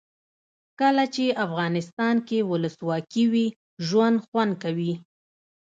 کله چې افغانستان کې ولسواکي وي ژوند خوند کوي.